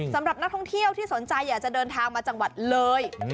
สำหรับนักท่องเที่ยวที่สนใจอยากจะเดินทางมาจังหวัดเลย